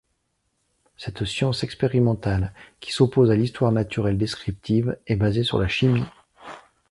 Cette science expérimentale, qui s'oppose à l'histoire naturelle descriptive, est basée sur la chimie.